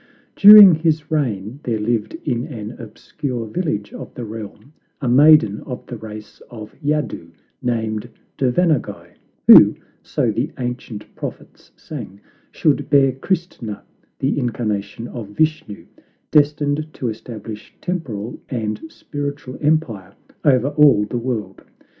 During his reign there lived in an obscure village of the realm a maiden of the race of Yadu, named Devanaguy, who, so the ancient prophets sang, should bear Christna, the incarnation of Vishnu, destined to establish temporal and spiritual empire over all the world.